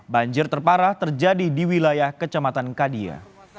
banjir terparah terjadi di wilayah kecamatan kadia